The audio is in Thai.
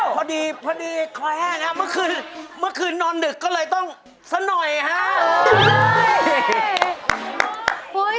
พอดีพอดีคอยแห้งเมื่อคืนนอนนึกก็เลยต้องสน่อยฮะ